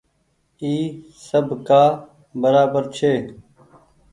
اي سب ڪآ برابر ڇي۔